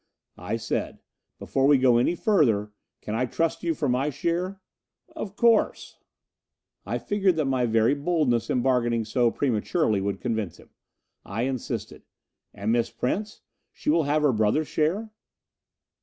I said, "Before we go any further I can trust you for my share?" "Of course." I figured that my very boldness in bargaining so prematurely would convince him. I insisted, "And Miss Prince? She will have her brother's share?"